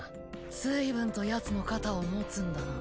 ずいぶんとヤツの肩を持つんだな。